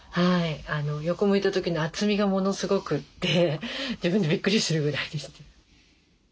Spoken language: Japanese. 横向いた時の厚みがものすごくて自分でびっくりするぐらいですね。